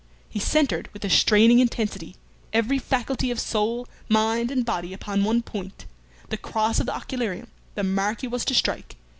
He centred, with a straining intensity, every faculty of soul, mind, and body upon one point the cross of the occularium, the mark he was to strike.